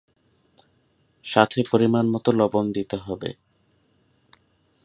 সাথে পরিমাণ মত লবণ দিতে হবে।